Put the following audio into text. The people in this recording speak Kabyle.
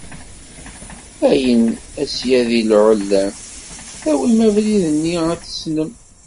Ayen a syadi lɛulam, tawim abrid mi t-tessnem.